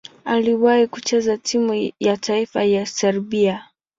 Aliwahi kucheza timu ya taifa ya Serbia.